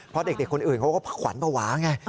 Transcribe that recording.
เพราะเด็กคนอื่นเขาก็ขวัญภาวะไง